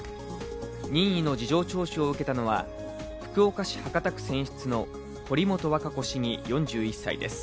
任意の事情聴取を受けたのは福岡市博多区選出の堀本和歌子市議４１歳です。